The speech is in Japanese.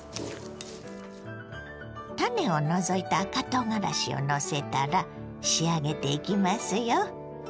種を除いた赤とうがらしをのせたら仕上げていきますよ。